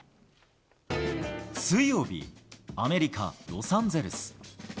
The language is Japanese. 水曜日、アメリカ・ロサンゼルス。